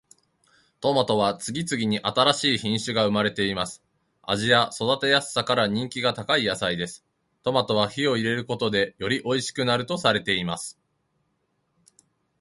トマトは次々に新しい品種が生まれています。味や育てやすさから人気が高い野菜です。トマトは火を入れることでよりおいしくなるとされています。